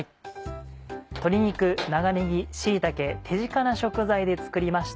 鶏肉長ねぎ椎茸手近な食材で作りました。